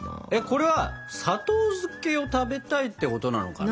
これは砂糖漬けを食べたいってことなのかな？